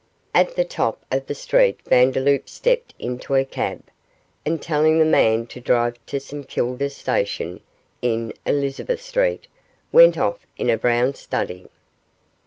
At the top of the street Vandeloup stepped into a cab, and telling the man to drive to the St Kilda Station, in Elizabeth Street, went off into a brown study.